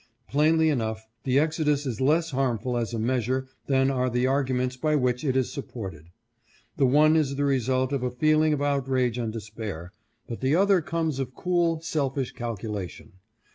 ... "Plainly enough, the exodus is less harmful as a measure than are the arguments by which it is supported. The one is the result of a feeling of outrage and despair, but the other comes of cool, selfish cal culation.